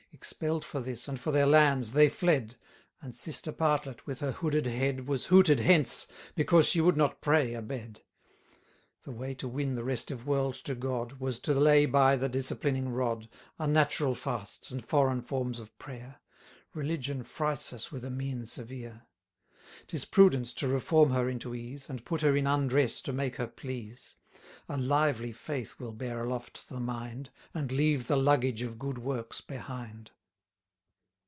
Expell'd for this, and for their lands, they fled; And sister Partlet, with her hooded head, Was hooted hence, because she would not pray a bed. The way to win the restive world to God, Was to lay by the disciplining rod, Unnatural fasts, and foreign forms of prayer: Religion frights us with a mien severe. 1030 'Tis prudence to reform her into ease, And put her in undress to make her please; A lively faith will bear aloft the mind, And leave the luggage of good works behind.